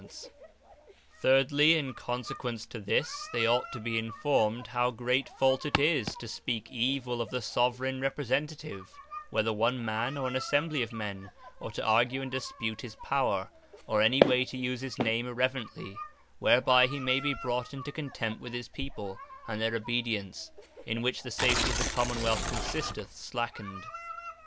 Nor To Dispute The Soveraign Power Thirdly, in consequence to this, they ought to be informed, how great fault it is, to speak evill of the Soveraign Representative, (whether One man, or an Assembly of men;) or to argue and dispute his Power, or any way to use his Name irreverently, whereby he may be brought into Contempt with his People, and their Obedience (in which the safety of the Common wealth consisteth) slackened.